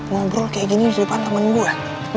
ngobrol kayak gini di depan temen gue